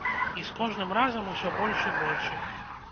І з кожным разам усё больш і больш іх.